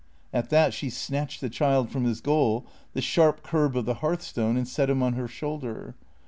At that she snatched the child from his goal, the sharp curb of the hearthstone, and set him on her shoulder.